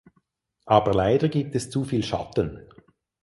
Aber leider gibt es zu viel Schatten.